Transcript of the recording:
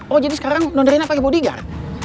oh jadi sekarang non rena pake bodigar